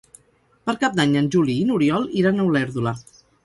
Per Cap d'Any en Juli i n'Oriol iran a Olèrdola.